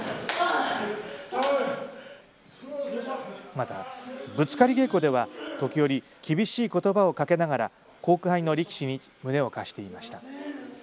また、ぶつかり稽古では時折厳しいことばをかけながら後輩の力士に胸を貸していました。